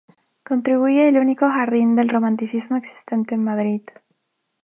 Constituye el único jardín del Romanticismo existente en Madrid.